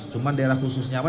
cuma daerah khususnya apa